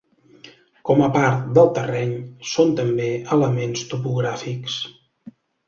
Com a part del terreny, són també elements topogràfics.